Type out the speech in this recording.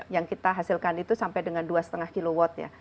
yang kita hasilkan itu sampai dengan dua lima kilowatt ya